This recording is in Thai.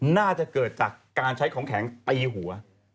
น่าจะเกิดจากการใช้ของแข็งตีหัว